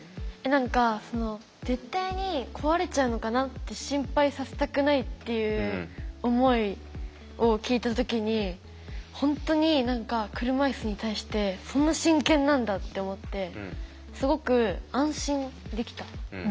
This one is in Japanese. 何かその絶対に壊れちゃうのかなって心配させたくないっていう思いを聞いた時に本当に何か車いすに対してそんな真剣なんだって思ってすごく安心できた。